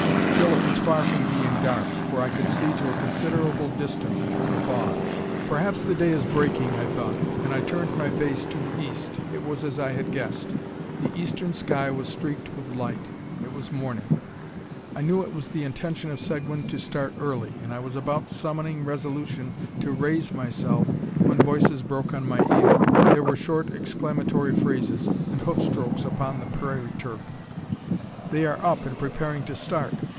Still it was far from being dark, for I could see to a considerable distance through the fog. "Perhaps the day is breaking," thought I, and I turned my face to the east. It was as I had guessed: the eastern sky was streaked with light; it was morning. I knew it was the intention of Seguin to start early, and I was about summoning resolution to raise myself when voices broke on my ear. There were short, exclamatory phrases, and hoof strokes upon the prairie turf. "They are up, and preparing to start."